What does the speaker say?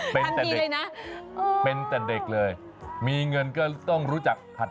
เป็นแต่เด็กเป็นแต่เด็กเลยมีเงินก็ต้องรู้จักหัด